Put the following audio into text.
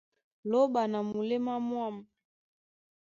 Lóɓa na muléma mwâm.